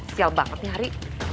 sial banget nyari